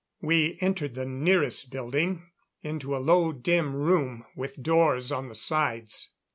We entered the nearest building, into a low, dim room, with doors on the sides.